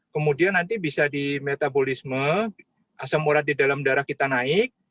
kemudian nanti bisa di metabolisme asam urat di dalam darah kita naik